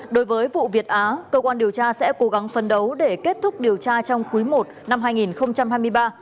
đối với vụ việt á cơ quan điều tra sẽ cố gắng phân đấu để kết thúc điều tra trong quý i năm hai nghìn hai mươi ba